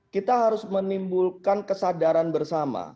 kita harus menimbulkan kesadaran bersama